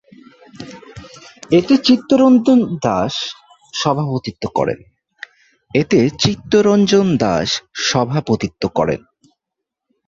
এতে চিত্তরঞ্জন দাশ সভাপতিত্ব করেন।